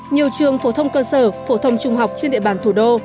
nhiều trường phổ thông cơ sở phổ thông trung học trên địa bàn thủ đô